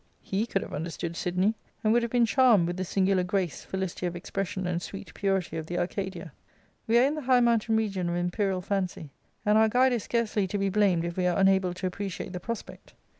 He could have understood Sidney, and would have been v^ charmed with the singular grace, felicity of expression, and sweet purity of the " Arcadia." We are in the high mountain region of imperial fancy, and our guide is scarcely to be blamed if we are unable to appreciate the prospect.